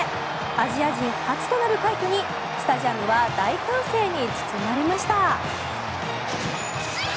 アジア人初となる快挙にスタジアムは大歓声に包まれました。